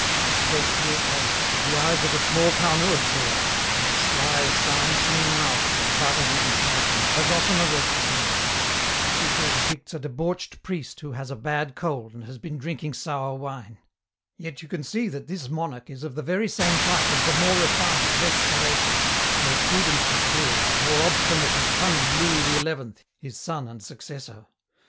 That bestial face, with the eyes of a small town ursurer and the sly psalm singing mouth that butter wouldn't melt in, has often arrested me. Foucquet depicts a debauched priest who has a bad cold and has been drinking sour wine. Yet you can see that this monarch is of the very same type as the more refined, less salacious, more prudently cruel, more obstinate and cunning Louis XI, his son and successor.